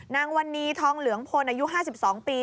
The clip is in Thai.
นางวันนี้ทองเหลืองพลอายุ๕๒ปี